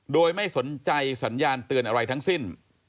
โดยไม่สนใจสัญญาณเตือนอะไรทั้งสิ้น